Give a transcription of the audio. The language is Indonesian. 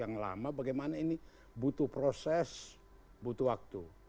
yang lama bagaimana ini butuh proses butuh waktu